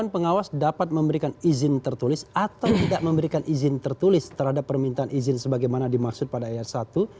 pengawas dapat memberikan izin tertulis atau tidak memberikan izin tertulis terhadap permintaan izin sebagaimana dimaksud pada ayat satu